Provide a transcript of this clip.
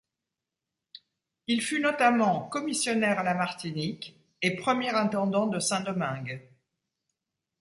Il fut notamment commissionnaire à la Martinique et premier intendant de Saint-Domingue.